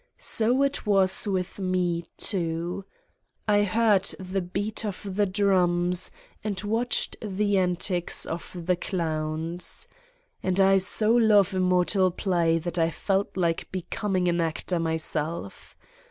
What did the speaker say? So it was with me, too. I heard the beat of the drums, and watched the antics of the clowns. And I so love immortal play that I felt like becoming an actor myself.